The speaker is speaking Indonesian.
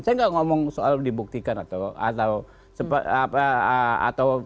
saya nggak ngomong soal dibuktikan atau